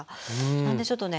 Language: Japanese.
なのでちょっとね